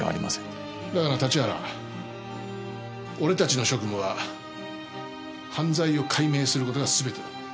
だがな立原俺たちの職務は犯罪を解明する事が全てだ。